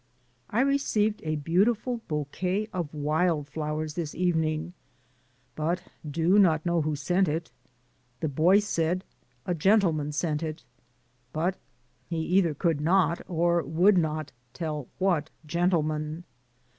I received a beautiful bouquet of wild flow ers this evening, but do not know who sent it. The boy said, "A gentleman sent it." But he either could not, or would not, tell what gentleman.